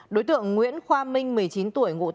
đối tượng nguyễn khoa minh một mươi chín tuổi ngụ tài sản